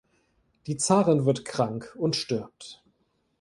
Die Zarin wird krank und stirbt.